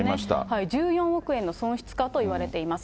１４億円の損失かといわれています。